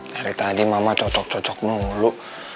dari tadi mama cocok cocok dulu